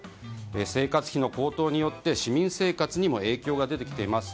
生活費の高騰によって市民生活にも影響が出てきています。